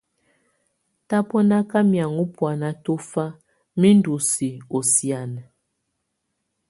Tabɔnaka mɛaŋɔ́ buana tɔfá mi ndú si ɔ sianə.